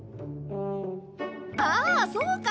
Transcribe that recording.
ああそうか！